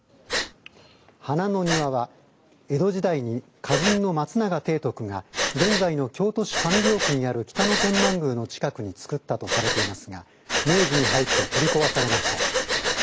花の庭は江戸時代に歌人の松永貞徳が現在の京都市上京区にある北野天満宮の近くに造ったとされていますが明治に入って取り壊されました。